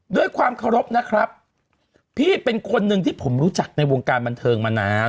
ด้วยความเคารพนะครับพี่เป็นคนหนึ่งที่ผมรู้จักในวงการบันเทิงมานาน